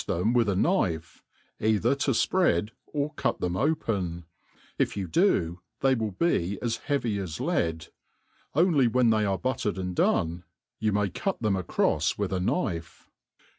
them with a knife, either to fpread or cut them open, if you do they will be as heavy as lead, only when they are buttered and done, you may cut them acrofs with a knife.